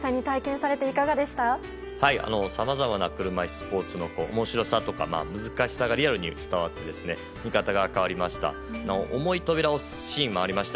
さまざまな車いすスポーツの面白さとか難しさがリアルに伝わって見方が変わりました。